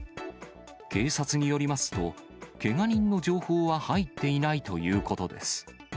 警察によりますと、けが人の情報は入っていないということです。